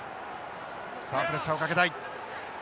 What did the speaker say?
さあプレッシャーをかけたい。